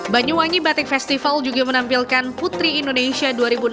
banyuwangi batik festival juga menampilkan putri indonesia dua ribu enam belas